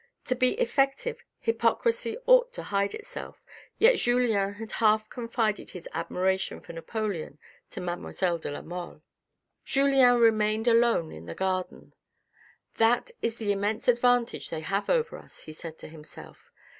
To be effective hypocrisy ought to hide itself, yet Julien had half confided his admiration for Napoleon to mademoiselle de la Mole. QUEEN MARGUERITE 311 Julien remained alone in the garden. " That is the immense advantage they have over us," he said to himself.